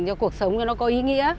cho cuộc sống nó có ý nghĩa